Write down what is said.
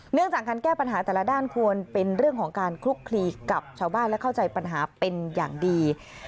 เรื่องจากการแก้ปัญหาแต่ละด้านควรเป็นเรื่องของการคลุกคลีกับชาวบ้านและเข้าใจปัญหาเป็นอย่างดี